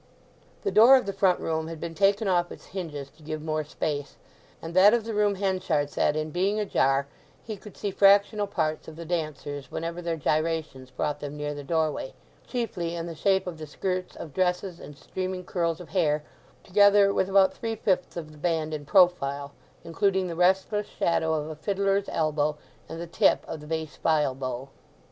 The door of the front room had been taken off its hinges to give more space, and that of the room Henchard sat in being ajar, he could see fractional parts of the dancers whenever their gyrations brought them near the doorway, chiefly in the shape of the skirts of dresses and streaming curls of hair; together with about three fifths of the band in profile, including the restless shadow of a fiddler's elbow, and the tip of the bass viol bow.